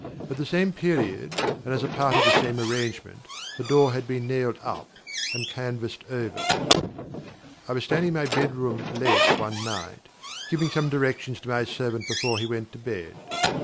At the same period, and as a part of the same arrangement, the door had been nailed up and canvassed over. I was standing in my bedroom late one night, giving some directions to my servant before he went to bed.